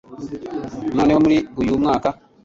noneho muri uyu mwaka